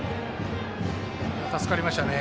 助かりましたね。